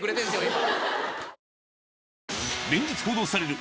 今。